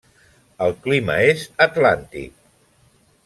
El clima és atlàntic.